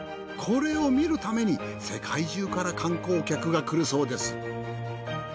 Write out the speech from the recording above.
これを見るために世界中から観光客が来るそうです。